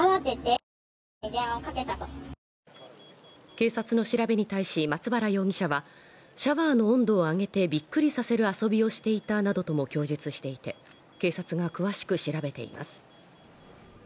警察の調べに対し松原容疑者は、シャワーの温度を上げてびっくりさせる遊びをしていたなどとも供述していて、警察が詳しく調べています。